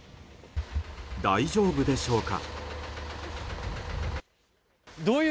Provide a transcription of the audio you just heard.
大丈夫でしょうか。